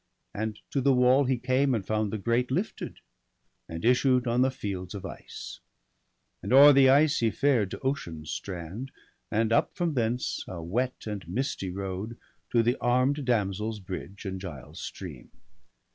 And to the wall he came, and found the grate Lifted, and issued on the fields of ice. And o'er the ice he fared to Ocean's strand. And up from thence, a wet and misty road, To the arm'd damsel's bridge, and Giall's stream.